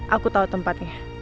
aku tau tempatnya